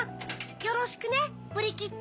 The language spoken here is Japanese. よろしくねブリキッド。